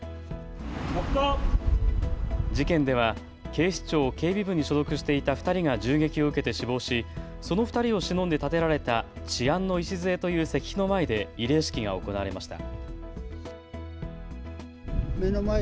事件では警視庁警備部に所属していた２人が銃撃を受けて死亡しその２人をしのんで建てられた治安の礎という石碑の前で慰霊式が行われました。